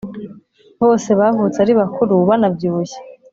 Bose bavutse ari bakuru banabyibushye